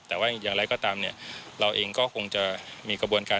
แต่ว่าอย่างไรก็ตามเนี่ยเราเองก็คงจะมีกระบวนการ